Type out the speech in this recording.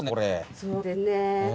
そうですね。